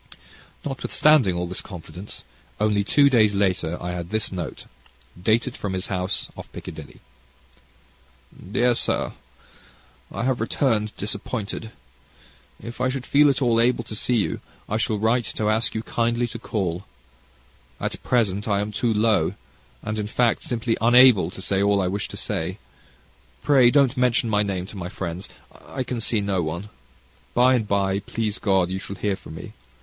Notwithstanding all this confidence, only two days later I had this note, dated from his house off Piccadilly: Dear Sir, I have returned disappointed. If I should feel at all able to see you, I shall write to ask you kindly to call. At present, I am too low, and, in fact, simply unable to say all I wish to say. Pray don't mention my name to my friends. I can see no one. By and by, please God, you shall hear from me.